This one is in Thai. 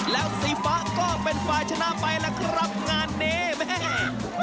แล้วสีฟ้าก็เป็นฝ่ายชนะไปล่ะครับงานนี้แม่